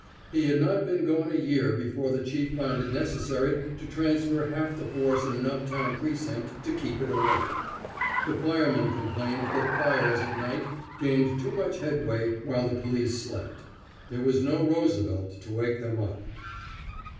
He had not been gone a year before the Chief found it necessary to transfer half the force in an up town precinct to keep it awake. The firemen complained that fires at night gained too much headway while the police slept. There was no Roosevelt to wake them up.